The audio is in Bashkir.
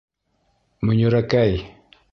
Мөнирәкәй!